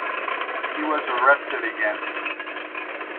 He was arrested again.